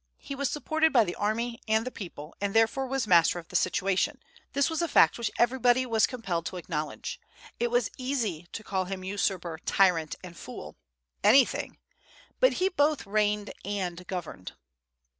He was supported by the army and the people, and therefore was master of the situation. This was a fact which everybody was compelled to acknowledge. It was easy to call him usurper, tyrant, and fool, anything; but he both "reigned and governed."